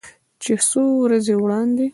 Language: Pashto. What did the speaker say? چې څو ورځې وړاندې